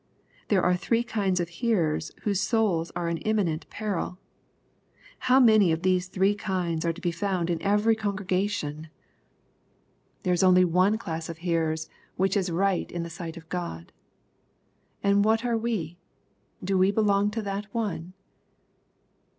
— There are three kinds of hearers whosesouls are in imminent peril. How many of these three kinds are \o be found in every congregation 1— 254 EXPOBITOBT THOUGHTS. Thero is only one class of hearers which is right in the sight, of God. And what are we ? Do we belong to that one